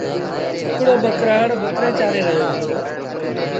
هڪڙو ٻڪرآڙ ٻڪريݩ چآري رهيو هُݩدو۔